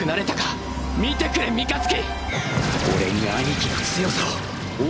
俺に兄貴の強さをうお！